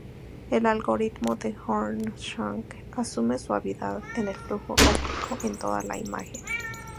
El algoritmo de Horn-Schunck asume suavidad en el flujo óptico en toda la imagen.